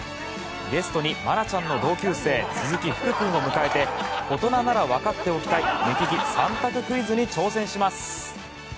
ゲストに、愛菜ちゃんの同級生鈴木福君を迎えて大人ならわかっておきたい目利き３択クイズに挑戦します。